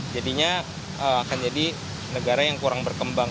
jadinya akan jadi negara yang kurang berkembang